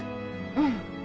うん。